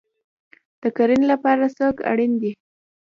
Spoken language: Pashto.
د کرنې لپاره څوک اړین دی؟